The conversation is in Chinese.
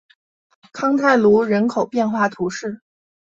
康泰卢人口变化图示